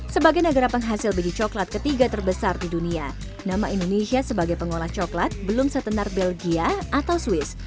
sebagai negara penghasil biji coklat ketiga terbesar di dunia nama indonesia sebagai pengolah coklat belum setenar belgia atau swiss